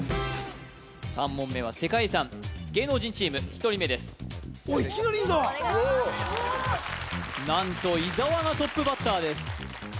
３問目は世界遺産芸能人チーム１人目ですおっいきなり伊沢何と伊沢がトップバッターです